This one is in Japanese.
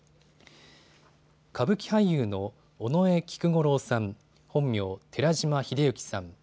歌舞伎俳優の尾上菊五郎さん、本名、寺嶋秀幸さん。